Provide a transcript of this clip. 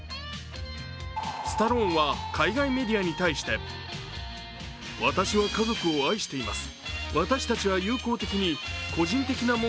スタローンは海外メディアに対してとコメントしています。